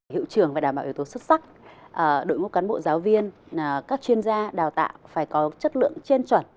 hiệu trường phải đảm bảo yếu tố xuất sắc đội ngũ cán bộ giáo viên các chuyên gia đào tạo phải có chất lượng trên chuẩn